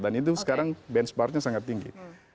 dan itu sekarang benchmarknya sangat tinggi